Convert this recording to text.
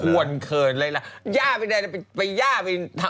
โคลนเขินอะไรหญ้าไปไหนไปหญ้าไปทำ